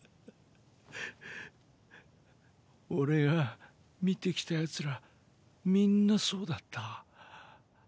俺が見てきた奴らみんなそうだった。